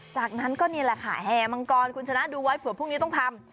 จากนั้นก็นี่แหละค่ะแห่มังกรคุณชนะดูไว้เผื่อพรุ่งนี้ต้องทำ